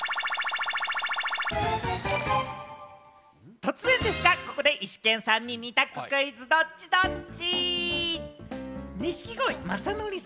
突然ですが、ここでイシケンさんに二択クイズ、ドッチ？ドッチ？